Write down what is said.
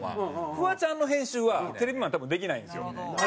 フワちゃんの編集はテレビマン多分できないんですよ。